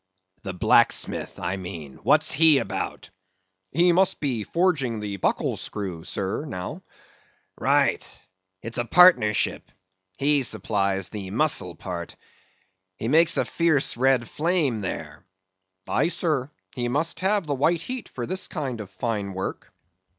—the blacksmith, I mean—what's he about? He must be forging the buckle screw, sir, now. Right. It's a partnership; he supplies the muscle part. He makes a fierce red flame there! Aye, sir; he must have the white heat for this kind of fine work.